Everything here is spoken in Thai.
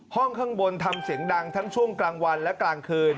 ห้องข้างบนทำเสียงดังทั้งช่วงกลางวันและกลางคืน